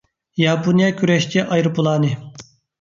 ياپونىيە كۈرەشچى ئايروپىلانى